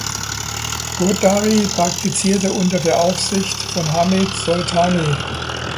Goodary praktizierte unter der Aufsicht von Hamid Soltani.